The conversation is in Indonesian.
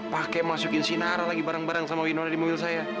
pakai masukin si nara lagi bareng bareng sama winona di mobil saya